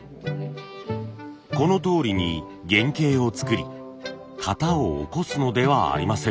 このとおりに原型を作り型を起こすのではありません。